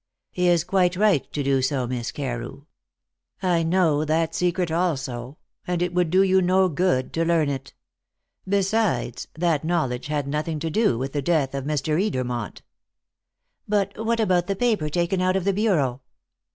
"He is quite right to do so, Miss Carew. I know that secret also, and it would do you no good to learn it. Besides, that knowledge had nothing to do with the death of Mr. Edermont." "But what about the paper taken out of the bureau?"